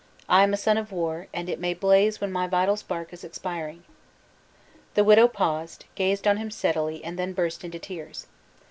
I am a son of war, and it may blaze when my vital spark is expiring." The widow paused, gazed on him steadily, and then burst into tears.